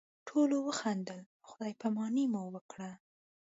ټولو وخندل او خدای پاماني مو وکړه.